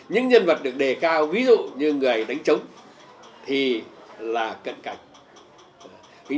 những nhân vật được đề cao ví dụ như người đánh chống thì là cận cảnh